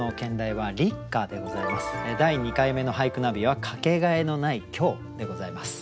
第２回目の「俳句ナビ」は「掛け替えのない今日」でございます。